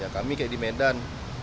kami kayak di medan